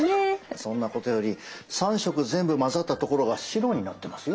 そんなことより３色全部混ざった所が白になってますよ。